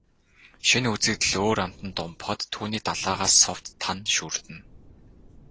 Шинэ үзэгдэл өөр амтанд умбахад түүний далайгаас сувд, тана шүүрдэнэ.